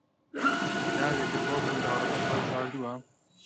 ناوێکت بۆ منداڵەکەت هەڵبژاردووە؟